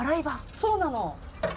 そうなの。